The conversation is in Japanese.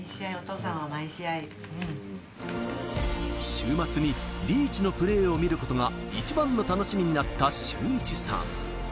週末にリーチのプレーを見ることが一番の楽しみになった修一さん。